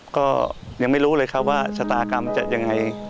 ก็ยังไม่รู้เลยครับว่าชะตากรรมจะยังไง